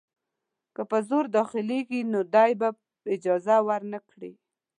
که په زور داخلیږي نو دی به اجازه ورنه کړي.